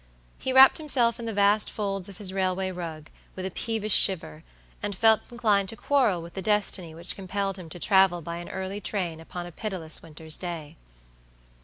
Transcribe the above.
He wrapped himself in the vast folds of his railway rug, with a peevish shiver, and felt inclined to quarrel with the destiny which compelled him to travel by an early train upon a pitiless winter's day.